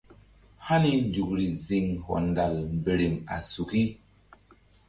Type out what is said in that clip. Hani nzukri ziŋ hɔndal mberem a suki.